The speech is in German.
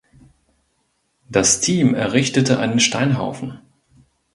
Das Team errichtete einen Steinhaufen.